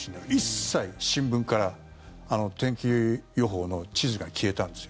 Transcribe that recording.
一切、新聞から天気予報の地図が消えたんです。